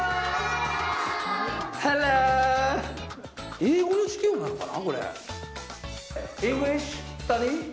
英語の授業なのかな。